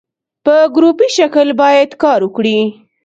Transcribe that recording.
په ګروپي شکل باید کار وکړي.